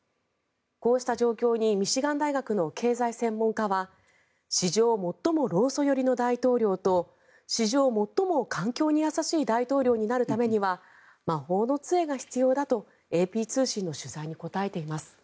こうした状況にミシガン大学の経済専門家は史上最も労組寄りの大統領と史上最も環境に優しい大統領になるためには魔法の杖が必要だとＡＰ通信の取材に答えています。